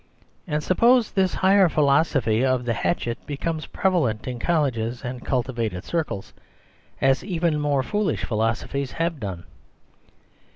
And suppose this higher philosophy of the hatchet The Superstition of Divorce 17 becomes prevalent in colleges and cultivated circles, as even mof^ foolish philosophies have done.